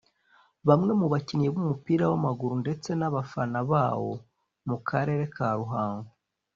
Bamwe mu bakinnyi b’umupira w’amaguru ndetse n’abafana bawo mu karere ka Ruhango